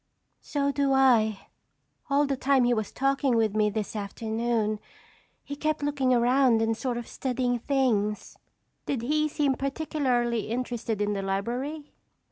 "So do I. All the time he was talking with me this afternoon, he kept looking around and sort of studying things." "Did he seem particularly interested in the library?"